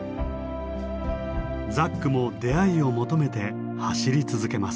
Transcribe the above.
ザックも出会いを求めて走り続けます。